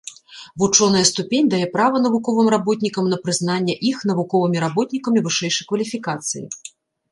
Вучоная ступень дае права навуковым работнікам на прызнанне іх навуковымі работнікамі вышэйшай кваліфікацыі.